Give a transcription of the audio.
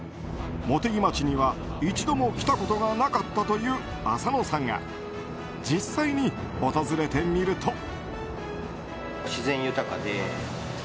茂木町には一度も来たことがなかったという浅野さんが実際に訪れてみると。